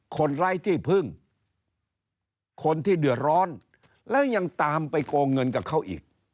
ไร้ที่พึ่งคนที่เดือดร้อนแล้วยังตามไปโกงเงินกับเขาอีก